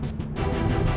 dia sudahering kieranku